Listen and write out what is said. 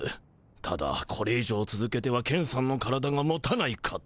ただこれ以上つづけてはケンさんの体がもたないかと。